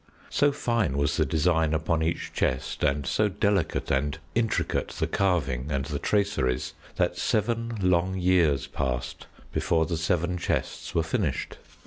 So fine was the design upon each chest, and so delicate and intricate the carving and the traceries, that seven long years passed before the seven chests were finished.